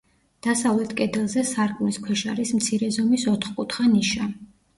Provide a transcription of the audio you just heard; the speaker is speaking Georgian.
დასავლეთ კედელზე სარკმლის ქვეშ არის მცირე ზომის ოთხკუთხა ნიშა.